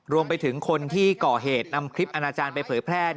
รวมไปถึงคนที่ก่อเหตุนำคลิปอนาจารย์ไปเผยแพร่